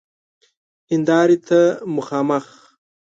هیندارې ته مخامخ